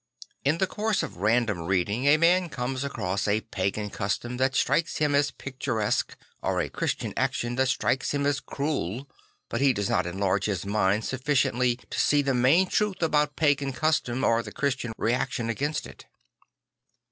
In the course of random reading a man comes across a pagan custom that strikes him as picturesque or a Christian action that strikes him as cruel; but he does not enlarge his mind sufficiently to see the main truth about pagan custom or the Christian reaction against it.